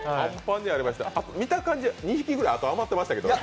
見た感じ、２匹くらい、あと余ってましたけど。